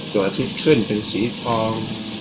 อาทิตย์ขึ้นเป็นสีทอง